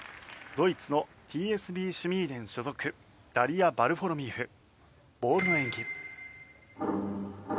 ドイツのＴＳＶシュミーデン所属ダリア・ヴァルフォロミーフボールの演技。